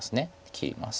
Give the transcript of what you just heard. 切ります。